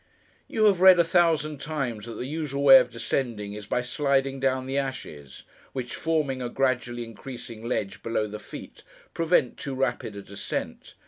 You have read, a thousand times, that the usual way of descending, is, by sliding down the ashes: which, forming a gradually increasing ledge below the feet, prevent too rapid a descent.